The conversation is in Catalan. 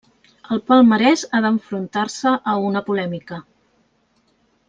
El palmarès ha d'enfrontar-se a una polèmica.